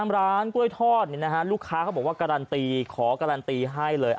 ร้านกล้วยทอดลูกค้าเขาบอกว่าการันตีขอการันตีให้เลย